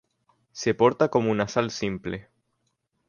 Se porta como una sal simple.